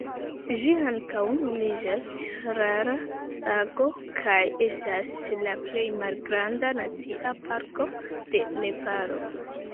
Ĝi ankaŭ nomiĝas Rara Lago, kaj estas la plej malgranda nacia parko de Nepalo.